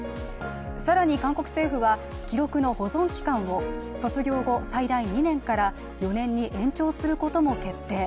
更に韓国政府は記録の保存期間を卒業後最大２年から４年に延長することも決定。